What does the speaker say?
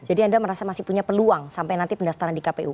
jadi anda merasa masih punya peluang sampai nanti pendaftaran di kpu